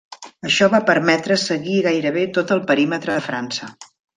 Això va permetre seguir gairebé tot el perímetre de França.